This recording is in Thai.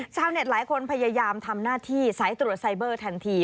ชาวเน็ตหลายคนพยายามทำหน้าที่สายตรวจไซเบอร์ทันที